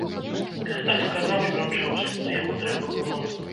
Гэтак сказаў і памчаўся, куды яму трэба было.